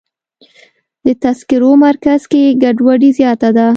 د تذکرو مرکز کې ګډوډي زیاته ده.